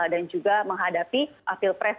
dan juga menghadapi apil pres